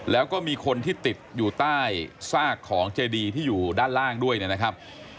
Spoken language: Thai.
แล้วก็มีคนที่ติดอยู่ใต้ซากของเจดีที่อยู่ด้านล่างด้วยนะครับ